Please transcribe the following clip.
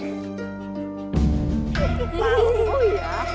terima kasih ki